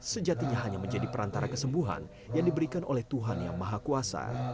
sejatinya hanya menjadi perantara kesembuhan yang diberikan oleh tuhan yang maha kuasa